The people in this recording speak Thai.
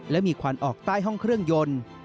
และมีควันออกใต้ห้องเครื่องยนต์